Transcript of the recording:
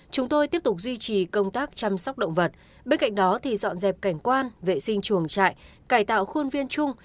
chúng tôi tiếp tục duy trì công tác chăm sóc động vật bên cạnh đó thì dọn dẹp cảnh quan vệ sinh chuồng trại cải tạo khuôn viên chung